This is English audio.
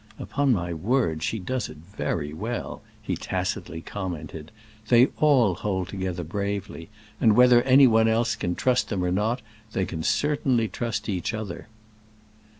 "Upon my word, she does it very well," he tacitly commented. "They all hold together bravely, and, whether anyone else can trust them or not, they can certainly trust each other."